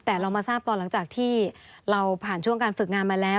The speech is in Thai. แต่เรามาทราบตอนหลังจากที่เราผ่านช่วงการฝึกงานมาแล้ว